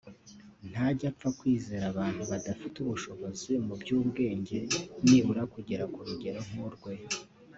ntajya apfa kwizera abantu badafite ubushobozi mu by’ubwenge nibura kugera ku rugero nk’urwe